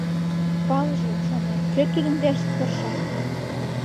«Палыже, — шонем, — кӧ тудын верч тырша.